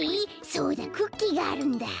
そうだクッキーがあるんだ。